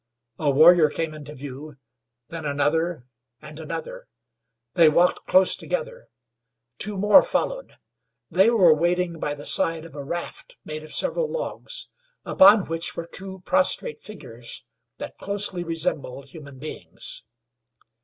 A warrior came into view, then another, and another. They walked close together. Two more followed. They were wading by the side of a raft made of several logs, upon which were two prostrate figures that closely resembled human beings.